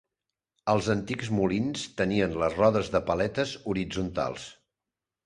Els antics molins tenien les rodes de paletes horitzontals.